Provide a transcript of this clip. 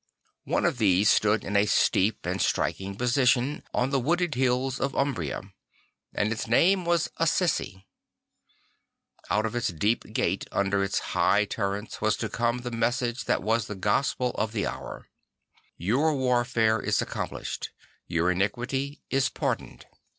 One of these stood in a steep and striking position on the wooded hills of Umbria; and its name was Assisi. Out of its deep gate under its high turrets was to come the message that was the gospel of the hour, U Your warfare is accomplished, your iniquity is pardoned."